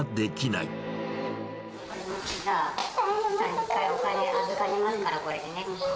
いったんお金預かりますから、これね。